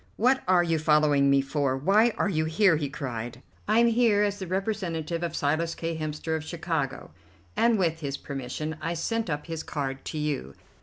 "What are you following me for? Why are you here?" he cried. "I am here as the representative of Silas K. Hemster, of Chicago, and with his permission I sent up his card to you."